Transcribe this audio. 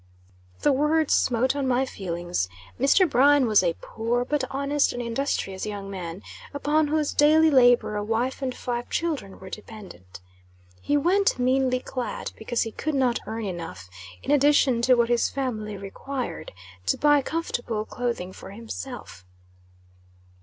The words smote on my feelings. Mr. Bryan was a poor, but honest and industrious young man, upon whose daily labor a wife and five children were dependent. He went meanly clad, because he could not earn enough, in addition to what his family required, to buy comfortable clothing for himself.